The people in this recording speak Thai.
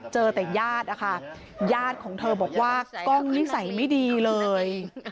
เจอแต่ญาตินะคะญาติของเธอบอกว่ากล้องนิสัยไม่ดีเลย